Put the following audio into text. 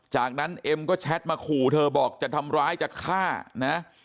จากนั้นเอ็มก็แชทมาขู่เธอบอกจะทำร้ายจะฆ่านะ